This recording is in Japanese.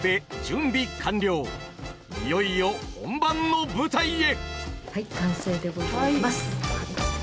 いよいよ本番の舞台へ！